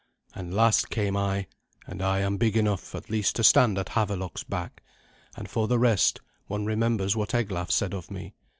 And last came I, and I am big enough, at least, to stand at Havelok's back; and for the rest, one remembers what Eglaf said of me.